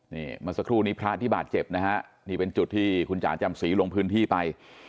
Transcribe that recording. นี่เมื่อสักครู่นี้พระที่บาดเจ็บนะฮะนี่เป็นจุดที่คุณจ๋าจำศรีลงพื้นที่ไป